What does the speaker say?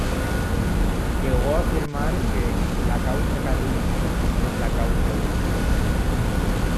Llegó a afirmar que "la causa carlista es la Causa de Dios.